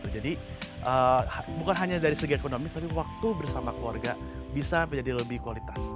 jadi bukan hanya dari segi ekonomis tapi waktu bersama keluarga bisa menjadi lebih kualitas